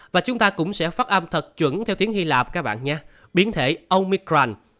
và chúng ta cũng sẽ phát âm thật chuẩn theo tiếng hy lạp các bạn nhé biến thể ômigran